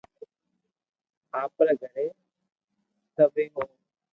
امري گھري تيوي ھو